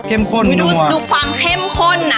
เท่ามีความเข้มข้นนะ